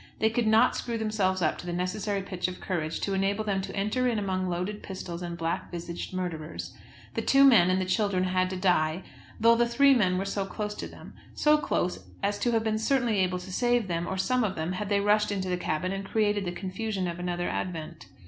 They could not screw themselves up to the necessary pitch of courage to enable them to enter in among loaded pistols and black visaged murderers. The two women and the children had to die, though the three men were so close to them; so close as to have been certainly able to save them, or some of them, had they rushed into the cabin and created the confusion of another advent.